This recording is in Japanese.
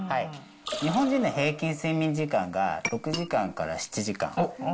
日本人の睡眠平均時間が６時間から７時間。